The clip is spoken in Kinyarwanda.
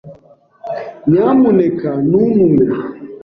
Nyamuneka ntuntume.